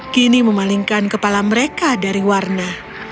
kini memalingkan kepala mereka dari warna